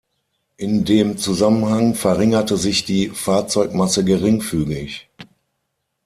In dem Zusammenhang verringerte sich die Fahrzeugmasse geringfügig.